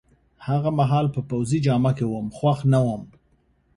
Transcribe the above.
هغه مهال په پوځي جامه کي وم، خوښ نه وم.